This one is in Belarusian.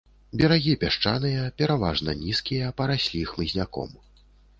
Берагі пясчаныя, пераважна нізкія, параслі хмызняком.